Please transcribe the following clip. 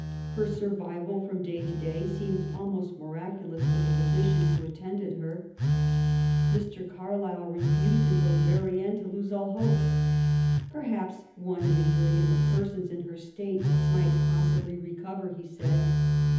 Her survival from day to day seemed almost miraculous to the physicians who attended her. Mr. Carlisle refused, until the very end, to lose all hope. " Perhaps one in a million of persons in her state might possibly re <X)ver," he said.